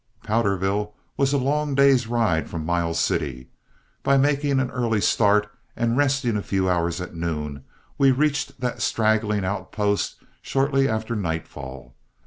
Powderville was a long day's ride from Miles City. By making an early start and resting a few hours at noon, we reached that straggling outpost shortly after nightfall.